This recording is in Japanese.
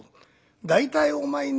大体お前ね